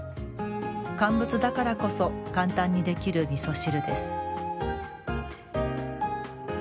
乾物だからこそ簡単にできるみそ汁です。